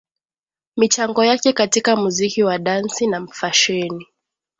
Michango yake katika muziki wa dansi na fasheni